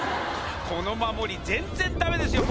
この守り全然ダメですよ